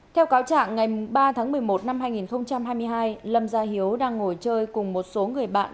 theo cáo trạng ngày ba tháng một mươi một năm hai nghìn hai mươi hai lâm gia hiếu đang ngồi chơi cùng một số người bạn